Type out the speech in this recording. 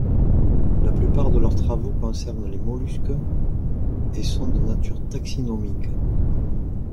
La plupart de leurs travaux concernent les mollusques et sont de nature taxinomique.